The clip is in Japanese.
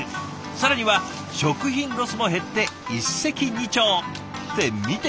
更には食品ロスも減って一石二鳥。って見て！